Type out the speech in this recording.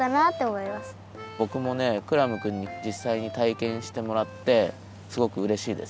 ぼくもねクラムくんにじっさいにたいけんしてもらってすごくうれしいです。